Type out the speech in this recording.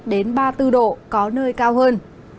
đến ba mươi bốn độ có nơi cao hơn